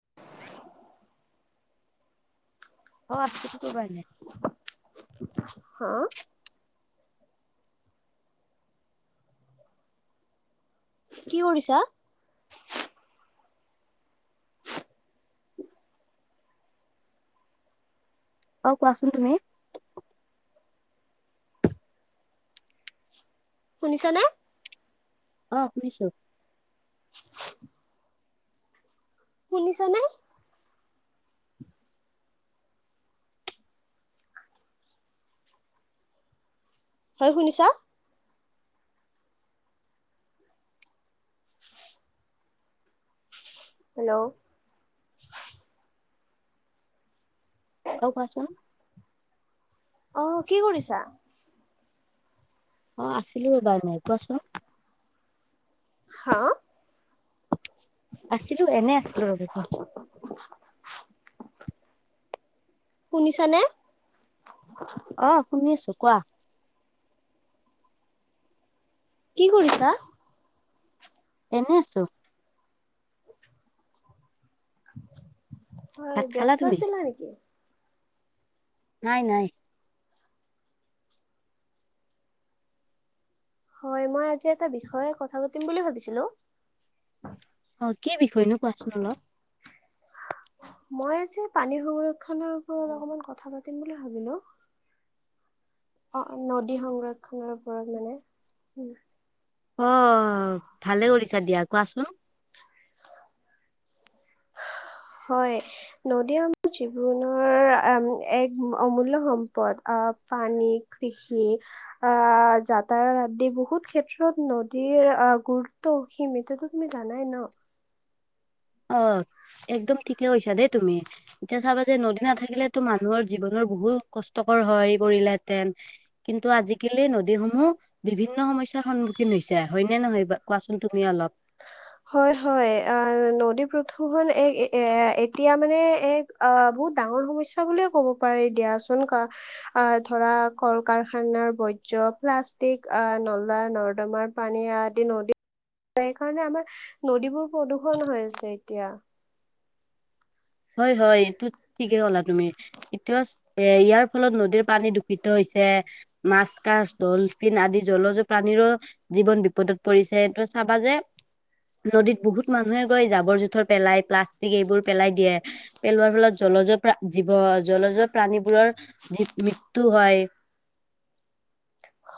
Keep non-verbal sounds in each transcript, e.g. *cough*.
*unintelligible* অ সেইটোকাৰণে হা কি কৰিছা? অ কোৱাচোন তুমি। শুনিছা নে? আহ শুনিছো। শুনিছা নাই? হয় শুনিছা? হেল্ল'! অ কোৱাচোন আহ কি কৰিছা অ আছিলো এইবাৰ এনেই কোৱাচোন হা আছিলো এনে আছিলো ৰাতিপুৱা শুনিছা নে? অ শুনি আছো। কোৱা কি কৰিছা। এনে আছো হয় ভাত খালা ব্যস্ত তুমি? আছিলা নেকি? নাই নাই। হয় মই আজি এটা বিষয়ে কথা পাতিম বুলি ভাবিছিলো। অ কি বিষয়েনো কোৱাচোন অলপ। মই যে পানী সহুৰ এইানৰওপৰত অকমান কথা পা ম বুলি ভাবিলো অ নদী সংৰক্ষণৰ ওপৰত মানে। উম। আহ ভালে কৰিছা দিয়া কোৱাচোন। হয় নদী আমাৰ জীৱনৰ এক অমূল্য সম্পদ আহ পানী কৃষি আহ যাতায়াত আদি বহুত ক্ষেত্ৰত নদীৰ আহ গুৰুত্ব সীমিত তোতো তুমি জানাই ন আহ একদম ঠিকে কৈছা দেই তুমি এতিয়া চাবা যে নদী নাথাকিলেতো মানুহৰ জীৱনৰ বহুত কষ্টকৰ হৈ পৰিলেহেতেন কিন্তু আজিকালি নদীসমূহ বিভিন্ন সমস্যাৰ সন্মুখীন হৈছে হয়নে নহয় কোৱাচোন তুমি অলপ হয় হয় আহ নদী প্ৰদূষণ এক এ এতিয়া মানে এক আহ বহুত ডাঙৰ সমস্যা বুলিয়ে ক'ব পাৰি দিয়াচোন। আহ ধৰা কল কাৰখানাৰ বৰ্জয় প্লাষ্টিক আহ নলা নৰ্দমাৰ পানী আদি নদী সেই কাৰণে আমাৰ নদীবোৰ প্ৰদূষন হৈ আছে। এতিয়া হয়, হয় এইটো ঠিকে ক'লা তুমি, এতিয়া এ ইয়াৰ ফলত নদীৰ পানী দূষিত হৈছে মাছ কছ ডলফিন আদি জলজ প্ৰাানীৰো জীৱন বিপদত পৰিছে, এইটো চাবা যে নদীত বহুত মানুহে গৈ জাবৰ জোথৰ পেলাই প্লাষ্টিক এইবোৰ পেলাই দিয়ে। পেলোৱাৰ ফলত জলজ জীৱ জলজ প্ৰাণীবোৰৰ জ মৃত্যু হয়।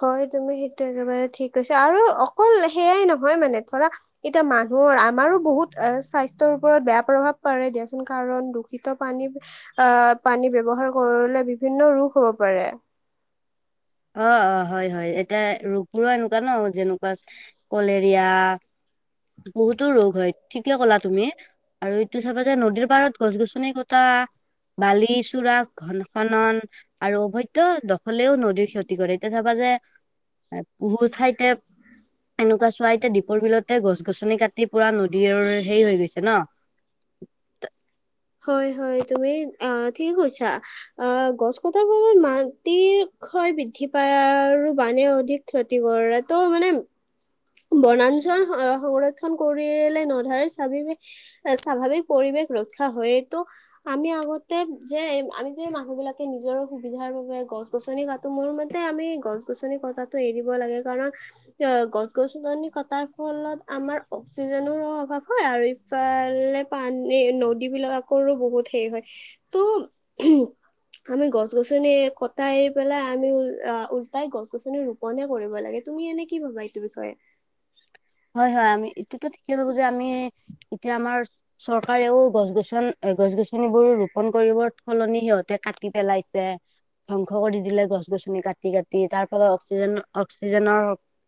হয় তুমি সেইটো একেবাৰে ঠিক কৈছ। আৰু অকল সেয়াই নহয় মানে ধৰা এতিয়া মানুহৰ আমাৰো বহুত স্বাস্থ্য ৰ ওপৰত বেয়া প্ৰভাৱ পাৰে দে কাৰণ দূষিত পানীৰ অ' পানী ব্যৱহাৰ কৰিলে বিভিন্ন ৰোগ হ'ব পাৰে। অ', অ', হয়, হয় এতিয়া ৰোগবোৰো এনেকুৱা ন যেনেকুৱা কলেৰিয়া হয়। বহুতো ৰোগ হয় ঠিকে ক'লা তুমি। আৰু এইটো চাবা যে নদীৰ পাৰত গছ গছনি কটা বালি চুৰা ঘন খনন আৰু অভৈদ্ দখলেও নদীৰ ক্ষতি এয়া চাবা যে বহু ঠাইতে এনেকুৱা চোৱাইতে দীপৰ বিলতে গছ গছনি কাটি পুৰা নদীৰ সেই হৈ গৈছে ন। হয়, হয় তুমি অ' ঠিক কৈছা। অ' গছ কটাৰ ফলত মাটিৰ ক্ষয় বৃদ্ধি পায় আৰু বানে অধিক ক্ষতি কৰে। তো মানে বনাঞ্চল সং নন কৰিলে নধৰে স্বা স্বাভাৱিক পৰিৱেশ ৰক্ষা হয়েতো। আমি আগতে যে আমি যে মানুহ বিলাকে নিজৰ সুবিধাৰ বাবে গছ গছনি কাটো, মোৰ মতে আমি গছ গছনি কটিটো এৰিব লাগে। কাৰণ এ গছ ছনি কটাৰ ফলত আমাৰ অক্সিজেনৰ অভাৱ হয় আৰু ইফালে পানী নদী বিলাকৰো বহুত সেই হয়। ত' আমি গছ গছনি কটা এৰি পেলাই আমি উল তাই গছ গছনি ৰোপনহে কৰিব লাগে তুমি এনে কি ভাবা এইটো বিষয়ে? হয়, হয় আমি এইটোতো ঠিকেই ভাবো যে আমি এতিয়া আমাৰ চৰকাৰেও গছ গছনি এ গছ গছনিবোৰ ৰোপন কৰিবৰ সলনি সিহঁতে কাটি পেলাইছে ধ্বংস কৰি দিলে, গছ গছনি কাটি কাটি তাৰ ফলত অক্সিজেন অক্সিজেনৰ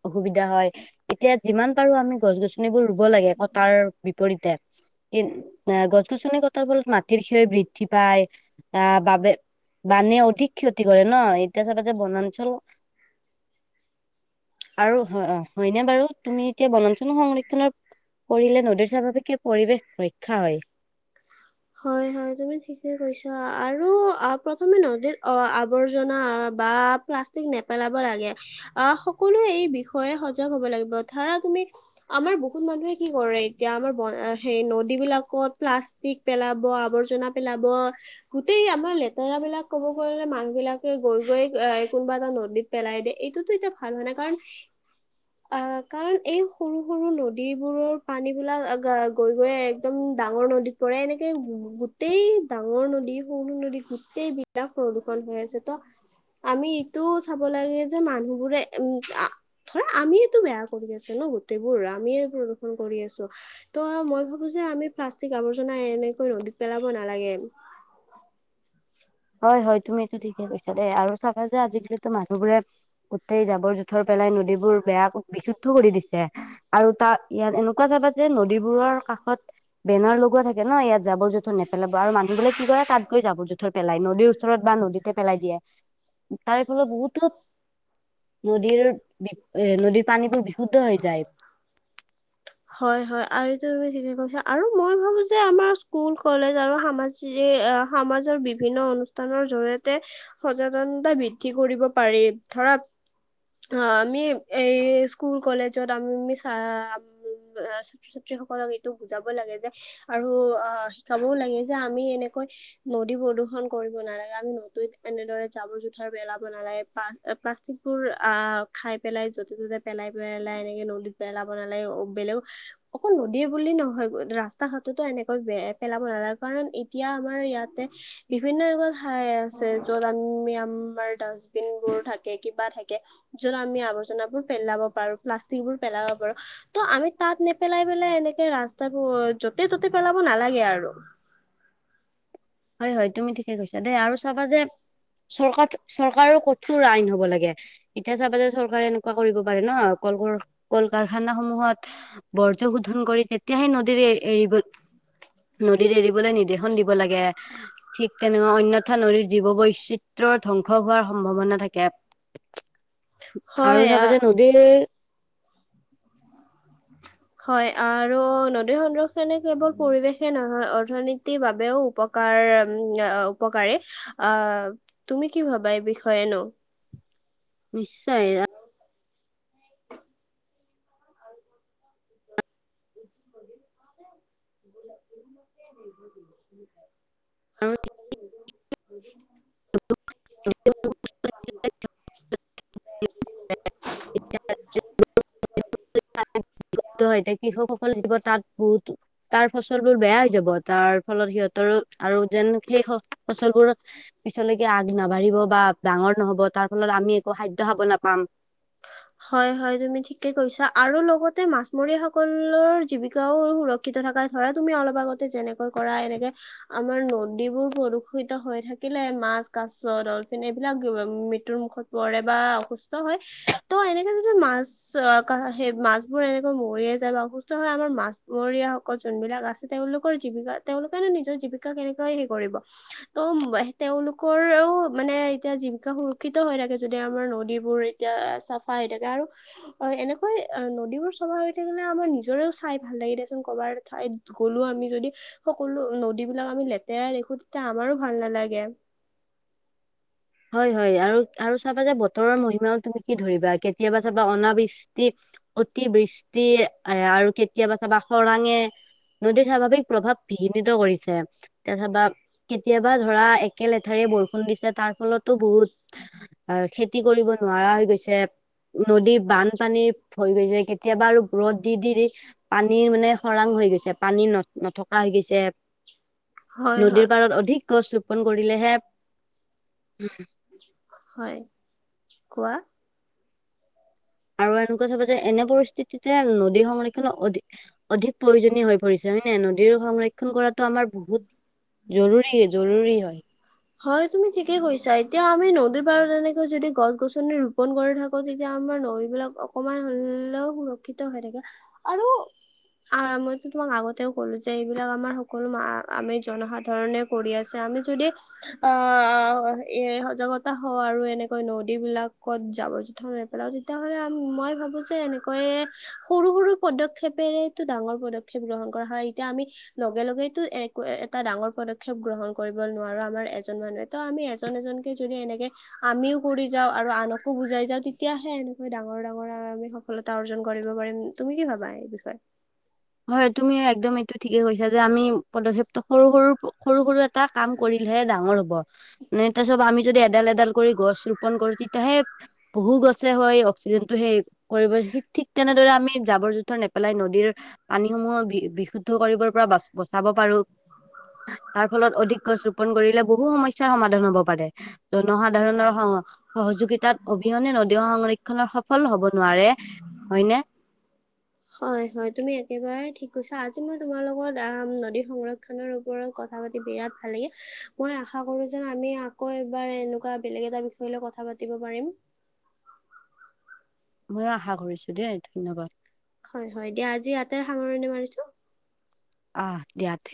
অসুবিধা হয় এতিয়া। যিমান পাৰো আমি গছ গছনিবোৰ ৰুব লাগে কটাৰ বিপৰীতে। কি গছ গছনি কটাৰ ফলত মাটিৰ ক্ষয় বৃদ্ধি পায় আহ বাবে বানে অধিক ক্ষতি কৰে ন। এতিয়া চাবা যে বন ঞ্চলত, আৰু হয় অ' হয়নে বাৰু? তুমি এতিয়া বনাঞ্চল সংৰক্ষণ কৰিলে নদীৰ স্বাভাৱিকে পৰিৱেশ ৰক্ষা হয়। হয়, হয়, তুমি ঠিকে কৈছা আৰু অ' প্ৰথমে নদীত অ' আৱৰ্জনা বা পল নেপেলাব লাগে আহ সকলোৱে এই বিষয়ে সজাগ হব লাগিব ধাৰা তুমি আমাৰ বহুত মানুহে, কি কৰে এতিয়া আমাৰ সেই নদী বিলাকত প্লাষ্টিক পেলাব। আৱৰ্জনা পেলাব গোটেই আমাৰ লেতেৰা বিলাক ক'ব গলে মানুহ বিলাকে গৈ-গৈ। এটা নদীত পেলাই দিয়ে এইটোতো এতিয়া ভাল হয় ন কাৰণ। অ কাৰণ এই সৰু-সৰু নদী নদীবোৰৰ পানীবিলাক গৈ-গৈ একদম ডাঙৰ নদীত পৰে এনেকে গোটেই ডাঙৰ নদী সৰু-সৰু নদীত গো তে বি বিলাক প্ৰদূৰষণ হৈ আছে ত আমি। চাব লাগে যে মানুহবোৰে উম ধৰা আমিয়ো বেয়া কৰি আছোঁ। ন গোটেইবোৰ আমিয়ে প্ৰদূষন কৰি আছো ত' মই। যে আমি প্লষ্টিক আ বৰ্জনা এনে নদীত পেলাব নালাগে। হয়-হয় তুমিটো ঠিকে কৈছা দেই আৰু চাবা যে আজিকালিতো মানুহবোৰে গোটেই জাবৰ জোথৰ পেলাই ন নীবোৰ বেয়া বিশুদ্ধ কৰি দিছে আৰু তাত ইয়াত এনেকুৱা যাবা যে নদীবোৰৰ কাষত বেনাৰ লগোৱা থাকে ন ইয়াত জাবৰ জোঁথৰ নেপেলাব আৰু মানুহ বোলে কি কৰে তাত গৈ জাবৰ-জোথৰ। পেলাই ওচৰত বা নদীতে পেলাই দিয়ে। তাৰে ফলত বহুতো ন এ নদীৰ পানীবোৰ বিশুদ্ধ হৈ যায়। তু ঠিকে কৈছা আৰু মই ভাবো যে আমাৰ স্কুল-কলেজ আৰু সাজ সমাজৰ বিভিন্ন অনুষ্ঠানৰ জৰিয়তে সচেতনতা বৃদ্ধি কৰিব পাৰি ধৰা। অমি এই স্কুল-কলেজত আমি চ ছাত্ৰ-ছাত্ৰী সকলক এইটো বুজাব লাগে যে, আৰু অ' শিকাবও লাগে যে আমি এনেকৈ নদী প্ৰদূৰন কৰিব নালাগে আমি নদৈত এনেদৰে জাবৰ জোথাৰ পেলাব, পেলাব নালাগে পা-প্লাচটিকবোৰ আহ খাই পেলাই যতে ত'তে পেলাই পেলাই এনেকে নদীত পেলাব নালগে। বেলেগ অ অকল নদীয়ে বুলি নহয়। ৰাস্তা ঘাটোতো এনেকৈ পেলাব নালাগে। কাৰণ এতিয়া আমাৰ ইয়াতে বিভিন্ন এত ঠাই আছে য'ত আমি আমাৰ ডাষ্টবিন বোৰ থাকে কিবা থাকে। যত আমি আৱৰ্জাবোৰ পেলাব পাৰো প্লাষ্টিক বোৰ পেলাব পাৰো ত আমি তাত নে পেলাই-পেলাই এনেকে ৰাস্তা তাৰাপ য'তে-ত'তে পেলাব নালাগে আৰু। হয়-হয় তুমি ঠিকে কৈছা দেই আৰু চাবা যে চৰকাৰ চৰকাৰৰ কঠোৰ আইন হব লাগে। এতিয়া চাবা যে চৰকাৰে এনেকুৱা কৰিব পাৰে ন কল কল কাৰখানা সমূহত বৰ্জ শোধন কৰি তেতিয়াহে নদীৰ এ এৰিব নদীৰত এৰিবলৈ নিৰ্দেশন দিব লাগে। ঠিক তেনেকা নঅন্যথা নদীৰ জীৱ বৈচিত্ৰয়ৰ ধ্বংস হোৱাৰ সম্ভাৱনা থাকে হয় আৰু চাবা যে আ- নদীৰ হয় আৰু নদী সংৰক্ষনে কেৱল পৰিৱেশে নহয় অৰ্থনীতিৰ বাবেও উপকাৰ উপকাৰী। আহ তুমি কি ভাবা এই বিষয়েনো? নিশ্চয়। *unintelligible* কি হব *unintelligible* ফলি য তাত বহুত তাৰ ফচল বোৰ বেয়া হৈ যাব তাৰ ফলত সিহঁতৰো আৰু যেন সেই ফচলবোৰ পিছলৈকে আগ নাবাঢ়িব বা ডাঙৰ নহব, তাৰ ফলত আমি একো খাদ্য খাব নাপাম। হয়, হয়, তুমি ঠিকে কৈছা আৰু লগতে মাছমৰীয়া স সকলৰ জীৱিকাও সুৰক্ষিত থকা। ধৰা তুমি অলপ আগত যেনেকৈ কৰা এনেকে আমাৰ নদীবোৰ প্ৰদূষ ষিত হৈ থাকিলে মাছ কাছ ডলফিন এইবিলাক ৰ মুখত পৰে বা অসুস্থ হয়, ত'এনেকে যদি মাছ অ' কা হেই মাছ বোৰ এনেকৈ মৰিয়ে যে বা অসুস্থ হয় আমাৰ মাছমৰীয়াসকল যোনবিলাক আছে, তেওঁলোকৰ জীৱিকা তেওঁওলোকেনো নিজৰ জীৱিকা কেনেকৈ সে কৰিব। ত' তেওঁলোকৰও মানে এতিয়া জীৱিকা সুৰক্ষিত হৈ থাকে, যদি আমাৰ নদীবোৰ এতিয়া চাফা হৈ থাকে আৰু অ' এনেকৈ নদীবোৰ সমাৰ *unintelligible* তেনেকে হ'লে আমাৰ নিজৰেও চাই ভাল লাগে দেচোন, কবাৰ ঠাইত গ'লো আমি যদি সকলো নদীবিলাক আমি লেতেৰাই দেখো তেতিয়া আমাৰো ভাল নালাগে। হয়, হয় আৰু আৰু চাবা যে বতৰৰ মহিমাও তুমি কি ধৰিব যায়, কেতিয়াবা চাবা অনাবিষ্টি বৃষ্টি এ আৰু কেতিয়াবা চাবা খৰাঙে নদীৰ স্বাভাৱিক প্ৰভাৱ বিঘ্নিত কৰিছে, অথবা কেতিয়াবা ধৰা একে লেঠাৰিয়ে বৰষুণ দিছে তাৰ ফলতো বহুত আহ খেতি কৰিব নোৱাৰা হৈ গৈছে। নদী বানপানী হৈ গৈছে। কেতিয়াবা আৰু ৰ'দ দি দি দি পানীৰ মানে খৰাং হৈ গৈছে, পানী ন নথকা হৈ গৈছে। হয় নদীৰ হয় পাৰত অধিক গছ ৰোপন কৰিলেহে হয়। কোৱা? আৰু এনেকুৱা চাব যে এনে পৰিস্থিতিতে নদীৰ সংৰক্ষন অধিক অধিক প্ৰয়োজনীয় হৈ পৰিছে। হয়ে ন নদীৰ সংৰক্ষন কৰাতটো আমাৰ বহুত জৰুী জৰুী হয়। হয় তুমি ঠিকেই কৈছা, এতিয়া আমি নদীৰ পাৰত তেনেকৈ যদি গছ গছনি ৰোপন কৰি থাকো, তেতিয়া আমাৰ নদীবিলাক অকমান হ'লেও সুৰক্ষিত হৈ থাকে। আৰু আহ মইো তোমাক আগতেও ক'লো যে এইবিলাক আমাৰ সকলো আমি জনসাধাৰণে কৰি আছে। আমি যদি আহ এ সজাগতা হওঁ আৰু এনেকৈ নদী বিলাকত জাবৰ জোথৰ নেপেলাও, তেতিয়াাহ'লে মই ভাবো যে এনেকৈয়ে সৰু সৰু পদক্ষেপেৰেতো ডাঙৰ পদক্ষেপ গ্ৰহণ কৰা হয়। এতিয়া আমি লগে লগেইো একো এটা ডাঙৰ পদক্ষেপ গ্ৰহণ কৰিব নোৱাৰো। আমাৰ এজন মানুহে ত আমি এজন এজনকে যদি এনেকে আমিও কৰি যাওঁ আৰু আনকো বুজাই যাওঁ, তেতিয়াাহে এনেকৈ ডাঙৰ ডাঙৰ আৰু আমি সফলতা অৰ্জন কৰিব পাৰিম তুমি কি ভাবা এই বিষয়ে? হয় তুমি একদম এইটো ঠিকেই কৈছা। যে আমি পদক্ষেপটো সৰু সৰু সৰু সৰু এটা কাম কৰিলেহে ডাঙৰ হ'ব, মানে তাৰ চব আমি যদি এডাল এডাল কৰি গছ ৰোপন কৰো তেতিয়াহে বহু গছে হয় অক্সিজেনটো সেই কৰিব, ঠিক তেনেদৰে আমি জাবৰ জোথৰ নেপেলাই নদীৰ পানীসমূহ বিশুদ্ধ কৰিব পৰা বচাব পাৰো তাৰ ফলত অধিক গছ ৰোপন কৰিলে বহু সমস্যাৰ সমাধান হ'ব। পাৰে জনসাধাৰণৰ স সহযোগিতাত অবিহনে নদী সংৰক্ষণৰ সফল হব নোৱাৰে হয়নে? হয় হয় তুমি একেবাৰে ঠিক কৈছা আজি মই তোমাৰ লগত নদী সংক্ষণৰ ওপৰত কথা পাতি বিৰাট ভাল লাগিল, মই আশা কঁৰো যে আকৌ এবাৰ বেলেগ এ বিষয় কথা পাতিব পাৰিম। মই আশা কৰিছো দেই ধন্যবাদ। হয়, হয় দিয়া আজি আটাই সামৰণি মাৰিছোদ আহ দিয়াতে।